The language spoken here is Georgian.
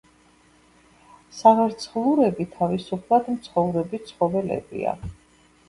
სავარცხლურები თავისუფლად მცხოვრები ცხოველებია.